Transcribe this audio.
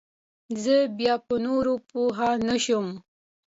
زه بيا په نورو پوه نسوم.